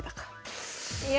いや。